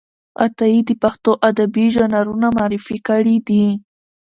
عطايي د پښتو ادبي ژانرونه معرفي کړي دي.